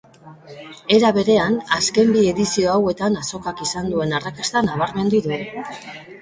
Era berean, azken bi edizio hauetan azokak izan duen arrakasta nabarmendu du.